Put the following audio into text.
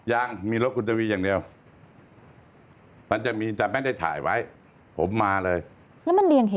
ยังมีรถคุณทวีอย่างเดียวมันจะมีแต่ไม่ได้ถ่ายไว้ผมมาเลยแล้วมันเรียงเห็น